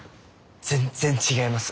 全然違います！